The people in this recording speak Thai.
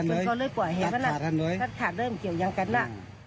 มันก็เลยปล่อยเหตุมันละขาดด้วยเหมือนเกี่ยวอย่างกันละ